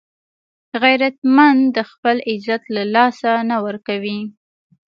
غیرتمند د خپلو عزت له لاسه نه ورکوي